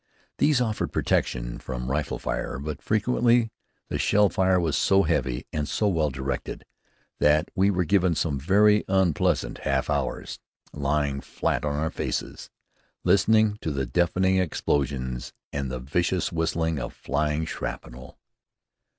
These offered protection from rifle fire, but frequently the shell fire was so heavy and so well directed that we were given some very unpleasant half hours, lying flat on our faces, listening to the deafening explosions and the vicious whistling of flying shrapnel.